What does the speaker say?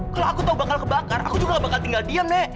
kalau aku tau bakal kebakar aku juga gak bakal tinggal diam nek